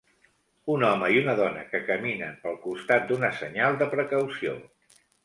Un home i una dona que caminen pel costat d'una senyal de precaució.